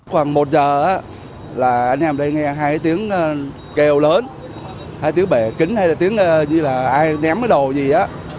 hai tiếng kèo lớn hai tiếng bề kính hay là tiếng như là ai ném cái đồ gì đó